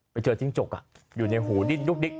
จิ้งจกอยู่ในหูดิ้นดุ๊กดิ๊ก